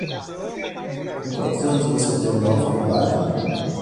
Com quantos anos você terminou a faculdade?